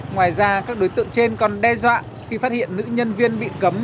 ngoài ra các đối tượng trên còn đe dọa khi phát hiện nữ nhân viên bị cấm